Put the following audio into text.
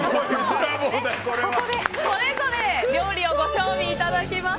ここでそれぞれ料理をご賞味いただきます。